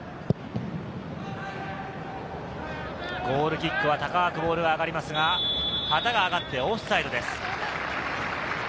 ゴールキックは高くボールが上がりますが、旗があがってオフサイドです。